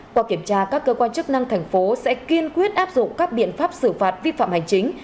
qua kiểm tra các cơ quan chức năng thành phố sẽ kiên quyết áp dụng các biện pháp xử phạt vi phạm hành chính